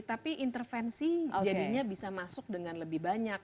tapi intervensi jadinya bisa masuk dengan lebih banyak